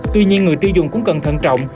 tuy nhiên người tiêu dùng cũng cần thận trọng